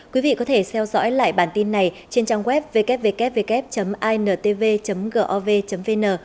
quý vị có thể theo dõi lại bản tin này trên trang web ww intv gov vn